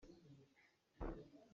Inn sangpi a tlu ṭhan.